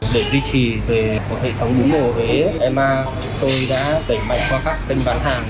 để duy trì về hệ thống bún bò huế em tôi đã đẩy mạnh qua các kênh bán hàng